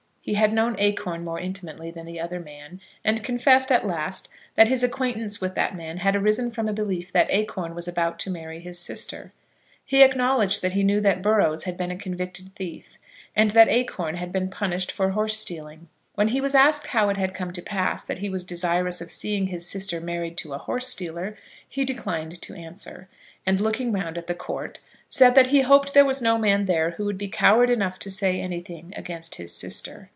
He had known Acorn more intimately than the other man, and confessed at last that his acquaintance with that man had arisen from a belief that Acorn was about to marry his sister. He acknowledged that he knew that Burrows had been a convicted thief, and that Acorn had been punished for horse stealing. When he was asked how it had come to pass that he was desirous of seeing his sister married to a horse stealer, he declined to answer, and, looking round the Court, said that he hoped there was no man there who would be coward enough to say anything against his sister.